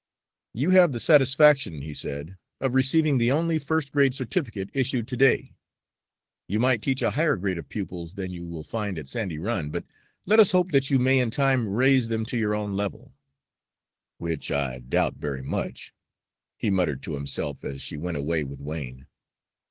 "You have the satisfaction," he said, "of receiving the only first grade certificate issued to day. You might teach a higher grade of pupils than you will find at Sandy Run, but let us hope that you may in time raise them to your own level." "Which I doubt very much," he muttered to himself, as she went away with Wain.